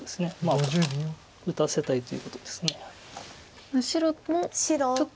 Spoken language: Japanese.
まあ打たせたいということです。